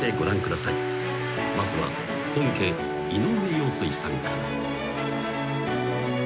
［まずは本家井上陽水さんから］